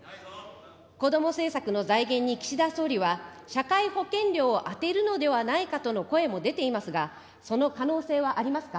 こども政策の財源に岸田総理は、社会保険料を充てるのではないかとの声も出ていますが、その可能性はありますか。